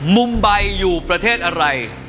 มุมใบอยู่ประเทศอะไร